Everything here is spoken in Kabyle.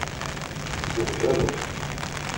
Tessehbaleḍ.